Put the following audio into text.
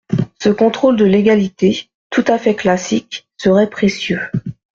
Ce contrôle de légalité, tout à fait classique, serait précieux.